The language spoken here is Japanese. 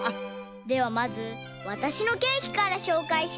ではまずわたしのケーキからしょうかいしよう。